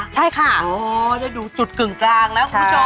ใช่ค่ะอ๋อได้ดูจุดกึ่งกลางแล้วคุณผู้ชม